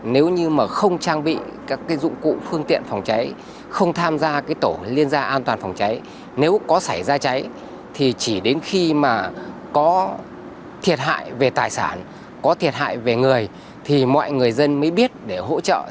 nếu như mà không trang bị các dụng cụ phương tiện phòng cháy không tham gia tổ liên gia an toàn phòng cháy nếu có xảy ra cháy thì chỉ đến khi mà có thiệt hại về tài sản có thiệt hại về người thì mọi người dân mới biết để hỗ trợ